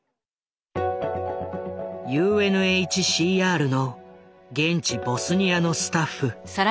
ＵＮＨＣＲの現地ボスニアのスタッフ。